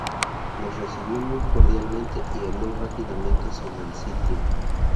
Nos recibió muy cordialmente y habló rápidamente sobre el sitio.